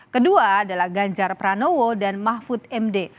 kedua adalah ganjar pranowo dan mahfud md